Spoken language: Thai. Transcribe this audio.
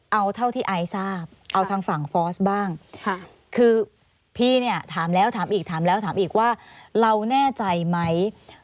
เอาเท่าที่ไอซ์ทราบเอาทางฝั่งฟอสบ้างคือพี่เนี่ยถามแล้วถามอีกถามแล้วถามอีกว่าเราแน่ใจไหม